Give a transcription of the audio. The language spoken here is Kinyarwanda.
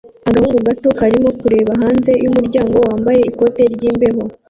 Agahungu gato karimo kureba hanze yumuryango wambaye ikote ryimbeho